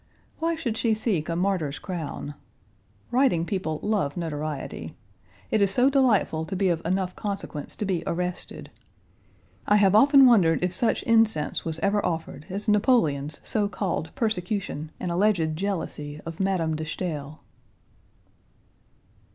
Why should she seek a martyr's crown? Writing people love notoriety. It is so delightful to be of enough consequence to be arrested. Page 114 I have often wondered if such incense was ever offered as Napoleon's so called persecution and alleged jealousy of Madame de Staël.